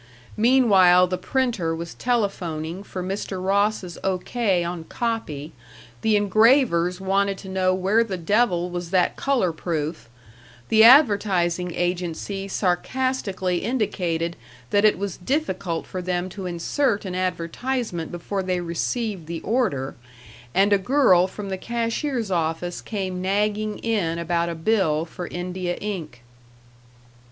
Meanwhile the printer was telephoning for Mr. Ross's O. K. on copy, the engravers wanted to know where the devil was that color proof, the advertising agency sarcastically indicated that it was difficult for them to insert an advertisement before they received the order, and a girl from the cashier's office came nagging in about a bill for India ink.